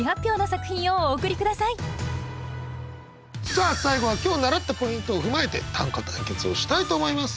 さあ最後は今日習ったポイントを踏まえて短歌対決をしたいと思います。